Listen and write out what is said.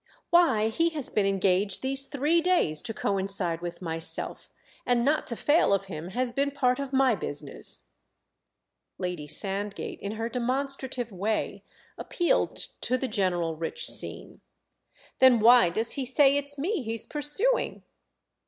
"Why, he has been engaged these three days to coincide with myself, and not to fail of him has been part of my business." Lady Sandgate, in her demonstrative way, appealed to the general rich scene. "Then why does he say it's me he's pursuing?"